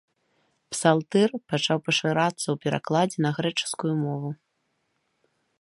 Псалтыр пачаў пашырацца ў перакладзе на грэчаскую мову.